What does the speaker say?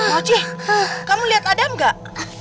mochi kamu lihat adam gak